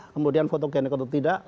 kemudian fotogenik atau tidak